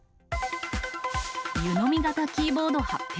湯飲み型キーボード発表。